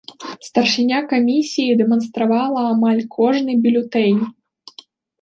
Старшыня камісіі дэманстравала амаль кожны бюлетэнь.